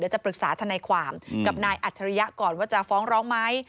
จะปรึกษาทนายความกับนายอัจฉริยะก่อนว่าจะฟ้องร้องไหม